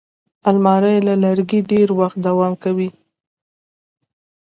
الماري له لرګي ډېر وخت دوام کوي